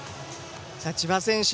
千葉選手